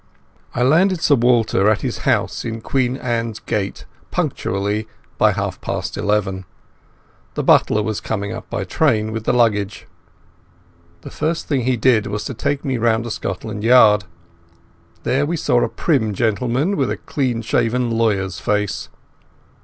I landed Sir Walter at his house in Queen Anne's Gate punctually by half past eleven. The butler was coming up by train with the luggage. The first thing he did was to take me round to Scotland Yard. There we saw a prim gentleman, with a clean shaven, lawyer's face.